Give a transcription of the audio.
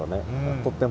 とっても。